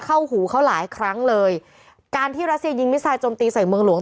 เข้าหูเขาหลายครั้งเลยการที่รัสเซียยิงมิซายจมตีใส่เมืองหลวง